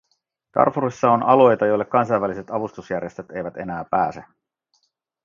Darfurissa on alueilta, joille kansainväliset avustusjärjestöt eivät enää pääse.